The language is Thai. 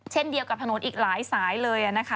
เช่นเดียวกับถนนอีกหลายสายเลยนะคะ